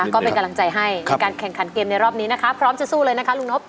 ก็เป็นกำลังใจให้ในการแข่งขันเกมในรอบนี้นะคะพร้อมจะสู้เลยนะคะลุงนบ